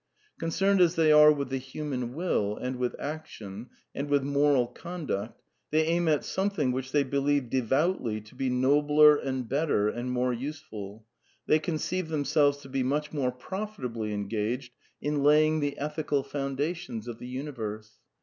Concerned as they are with the human will and with action, and with moral con duct, they aim at something which they believe devoutly to be nobler and better and more useful — they conceive themselves to be much more profitably engaged in laying PEAGMATISM AliB HUMANISM 149 the ethical foundations of the Universe.